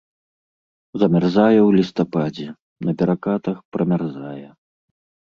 Замярзае ў лістападзе, на перакатах прамярзае.